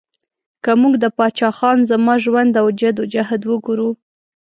که موږ د پاچا خان زما ژوند او جد او جهد وګورو